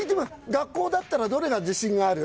学校だったらどれが自信ある？